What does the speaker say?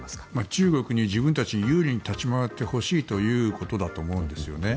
中国に自分たちに有利に立ち回ってほしいということだと思うんです。